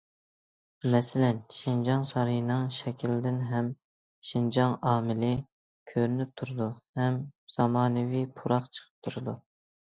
مەسىلەن: شىنجاڭ سارىيىنىڭ شەكلىدىن ھەم‹‹ شىنجاڭ ئامىلى›› كۆرۈنۈپ تۇرىدۇ، ھەم زامانىۋى پۇراق چىقىپ تۇرىدۇ.